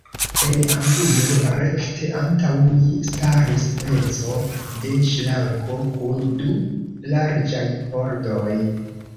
En angulo rekte antaŭ mi staris speco de ŝranko kun du larĝaj pordoj.